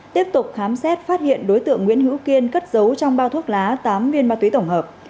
tiếp tục khám xét phát hiện đối tượng nguyễn hữu kiên cất giấu trong bao thuốc lá tám viên ma túy tổng hợp